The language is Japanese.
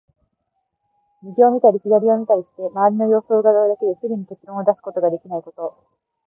右を見たり左を見たりして、周りの様子を窺うだけですぐに結論を出すことができないこと。